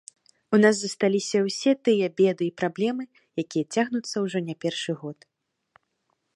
У нас засталіся ўсе тыя беды і праблемы, якія цягнуцца ўжо не першы год.